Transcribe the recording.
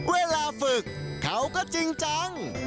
เวลาฝึกเขาก็จริงจัง